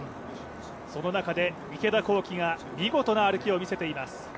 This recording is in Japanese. その中で、池田向希が見事な歩きを見せています。